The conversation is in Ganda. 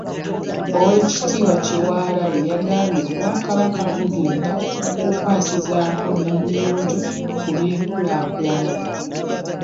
Oweekitiibwa Kyewalabye yagambye Obwakabaka bugenda kukwasizaako Namuyonjo ku by'enkulaakulana.